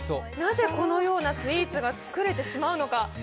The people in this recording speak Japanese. なぜ、このようなスイーツが作れてしまうのか？